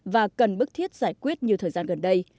và cần bức thiết giải quyết như thời gian gần đây